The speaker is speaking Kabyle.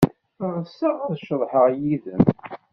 Ɣseɣ ad ceḍḥeɣ yid-m.